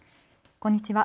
こんにちは。